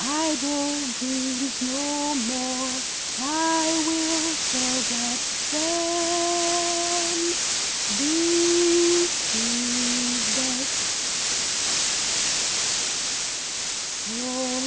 idle dreams, no more; I will forget them, this is best.